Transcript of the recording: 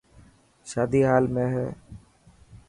شادي هال ۾ هي.